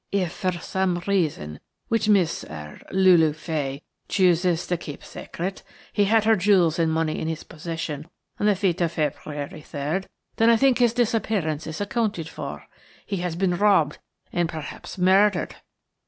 If for some reason which Miss–er–Lulu Fay chooses to keep secret, he had her jewels and money in his possession on the fatal February 3rd, then I think his disappearance is accounted for. He has been robbed and perhaps murdered."